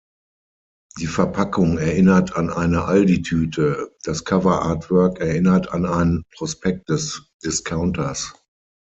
Die Verpackung erinnert an eine Aldi-Tüte, das Coverartwork erinnert an ein Prospekt des Discounters.